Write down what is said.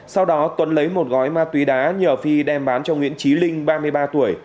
sau đó tuấn lấy một gói ma túy đá nhờ phi đem bán cho nguyễn trí linh ba mươi ba tuổi